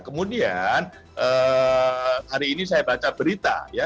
kemudian hari ini saya baca berita ya